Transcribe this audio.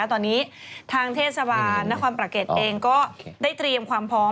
ตอนนี้ทางเทศบาลนครประเก็ตเองก็ได้เตรียมความพร้อม